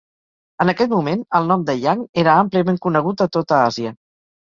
En aquest moment, el nom de Jang era àmpliament conegut a tota Àsia.